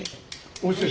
おいしい？